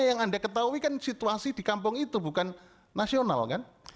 yang anda ketahui kan situasi di kampung itu bukan nasional kan